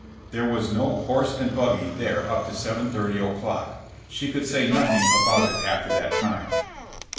There was no horse and buggy there up to 176 JESSB JAMES. 7;30 o'clock. She could say nothing about it after that time.